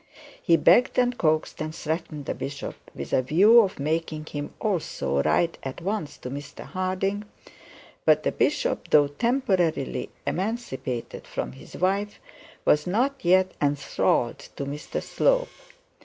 He begged, and coaxed, and threatened the bishop with a view of making him also write at once to Mr Harding; but the bishop, though temporarily emancipated from his wife, was not yet enthralled to Mr Slope.